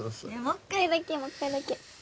もう一回だけもう一回だけ